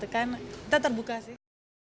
kita terbuka sih